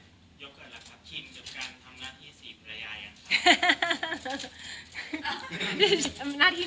ยกเกิดแล้วครับชินกับการทำหน้าที่สีพระยายังครับ